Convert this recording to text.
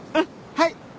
はい。